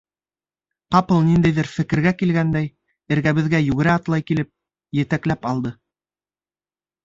Ҡапыл ниндәйҙер фекергә килгәндәй, эргәбеҙгә йүгерә-атлай килеп, етәкләп алды: